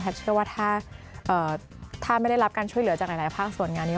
เชื่อว่าถ้าไม่ได้รับการช่วยเหลือจากหลายภาคส่วนงานนี้